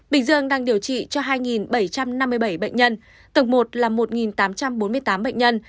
bình dương đang điều trị cho hai bảy trăm năm mươi bảy bệnh nhân tầng một là một tám trăm bốn mươi tám bệnh nhân